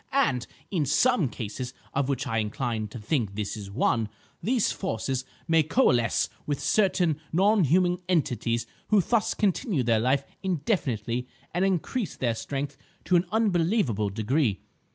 And, in some cases—of which I incline to think this is one—these forces may coalesce with certain non human entities who thus continue their life indefinitely and increase their strength to an unbelievable degree.